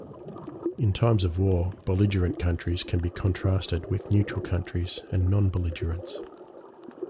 In times of war, belligerent countries can be contrasted with neutral countries and non-belligerents.